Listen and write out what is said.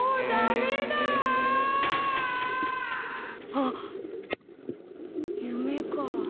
あっ夢かぁ。